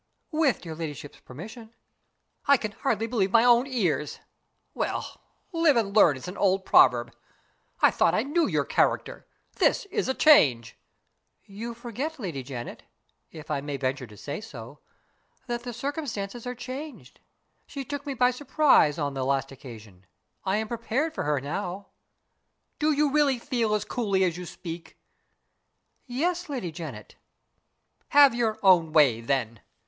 "With your ladyship's permission." "I can hardly believe my own ears! Well, 'Live and learn' is an old proverb. I thought I knew your character. This is a change!" "You forget, Lady Janet (if I may venture to say so), that the circumstances are changed. She took me by surprise on the last occasion; I am prepared for her now." "Do you really feel as coolly as you speak?" "Yes, Lady Janet." "Have your own way, then.